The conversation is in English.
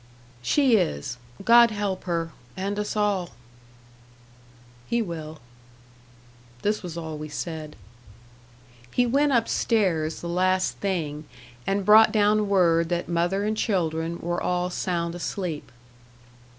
"She is. God help her and us all!" "He will." This was all we said. He went up stairs the last thing, and brought down word that mother and children were all sound asleep.